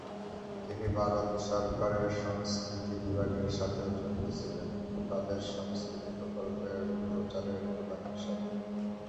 তিনি ভারত সরকারের সংস্কৃতি বিভাগের সাথেও যুক্ত ছিলেন তাদের সংস্কৃতি প্রকল্পের প্রচারের প্রধান হিসাবে।